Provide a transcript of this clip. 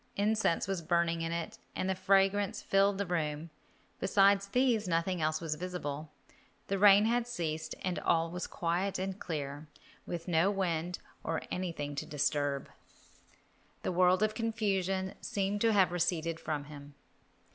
Incense was burning in it, and the fragrance filled the room. Beside these, nothing else was visible. The rain had ceased and all was quiet and clear, with no wind nor anything to disturb. The world of confusion seemed to have receded from him.